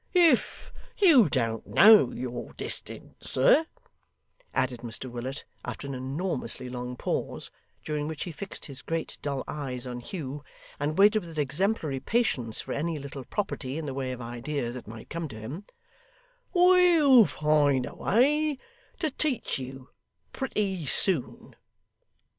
If you don't know your distance, sir,' added Mr Willet, after an enormously long pause, during which he fixed his great dull eyes on Hugh, and waited with exemplary patience for any little property in the way of ideas that might come to him, 'we'll find a way to teach you, pretty soon.